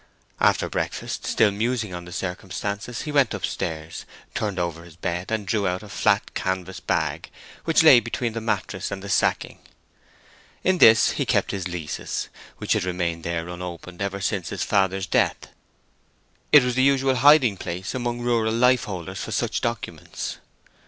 After breakfast, still musing on the circumstances, he went upstairs, turned over his bed, and drew out a flat canvas bag which lay between the mattress and the sacking. In this he kept his leases, which had remained there unopened ever since his father's death. It was the usual hiding place among rural lifeholders for such documents.